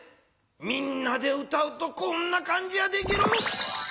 みんなで歌うとこんな感じやでゲロ。